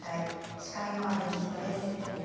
司会の安部みちこです。